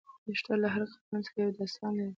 دښته له هر قدم سره یو داستان لري.